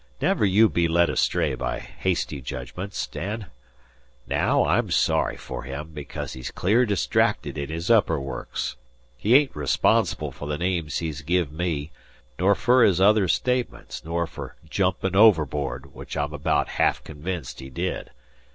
Never you be led astray by hasty jedgments, Dan. Naow I'm sorry for him, because he's clear distracted in his upper works. He ain't responsible fer the names he's give me, nor fer his other statements nor fer jumpin' overboard, which I'm abaout ha'af convinced he did.